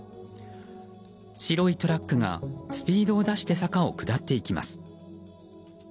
白いトラックがスピードを出して坂を下っていきます。